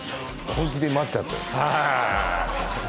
本気で待っちゃったよ